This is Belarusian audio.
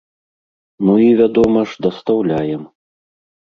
Ну і, вядома ж, дастаўляем.